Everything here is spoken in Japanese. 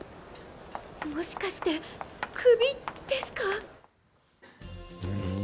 もしかしてクビですか？